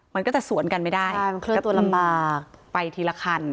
มันก็จะสวนกันไม่ได้ใช่มันเคลื่อนตัวลำบากไปทีละคัน